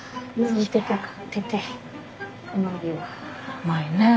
うまいねえ。